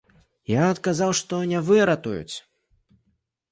Я адказаў, што не выратуюць.